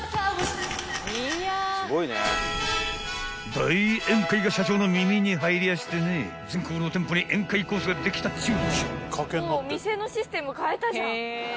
［大宴会が社長の耳に入りやしてね全国の店舗に宴会コースができたっちゅう］